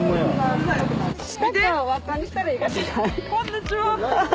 こんにちは。